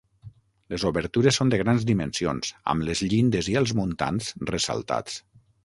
Les obertures són de grans dimensions, amb les llindes i els muntants ressaltats.